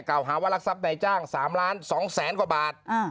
กล่าวหาว่ารักษรรพในจ้างสามล้านสองแสนกว่าบาทอืม